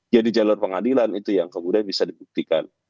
jadi jalur pengadilan itu yang kemudian bisa dibuktikan